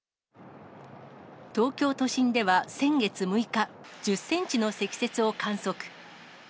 東京都心では先月６日、１０センチの積雪を観測。